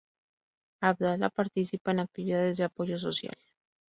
Abdala participa en actividades de apoyo social.